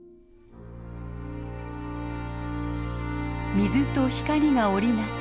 水と光が織り成す